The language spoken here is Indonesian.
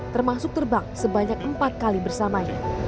termasuk terbang sebanyak empat kali bersamanya